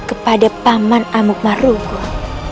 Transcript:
kepada paman amuk marugun